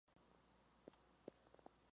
Al llegar al mundo virtual Alan Jr.